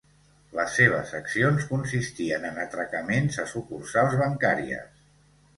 Les seves accions consistien en atracaments a sucursals bancàries.